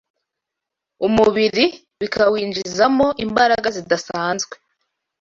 umubiri bikawinjizamo imbaraga zidasanzwe